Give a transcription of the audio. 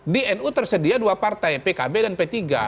di nu tersedia dua partai pkb dan p tiga